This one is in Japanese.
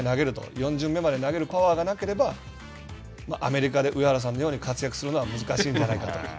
４巡目まで投げるパワーがなければアメリカで上原さんのように活躍するのは難しいんじゃないかなと。